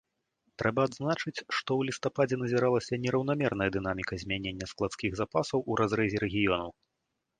Трэба адзначыць, што ў лістападзе назіралася нераўнамерная дынаміка змянення складскіх запасаў у разрэзе рэгіёнаў.